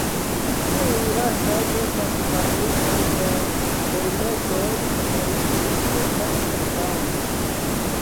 Tiuj lastaj estas garnitaj per kolumetoj el plisita rubando.